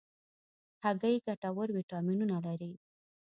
هګۍ ګټور ویټامینونه لري.